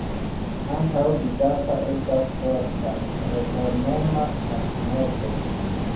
Antaŭvidata estas forta, reformema kabineto.